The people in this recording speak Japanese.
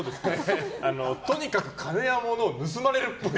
とにかく金や物を盗まれるっぽい。